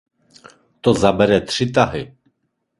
To zabere tři tahy.